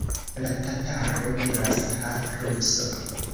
La tataro diras: Ha, ruso!